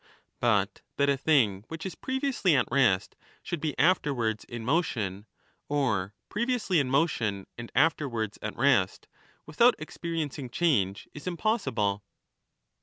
But that a thing which is previously at rest should be afterwards in motion, or previously in motion and afterwards at rest, without experiencing change, is impossible.